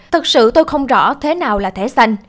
thật sự tôi không rõ thế nào là thẻ xanh